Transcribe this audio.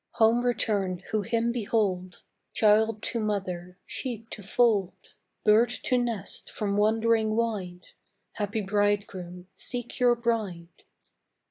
Home return who him behold, Child to mother, sheep to fold, Bird to nest from wandering wide: Happy bridegroom, seek your bride.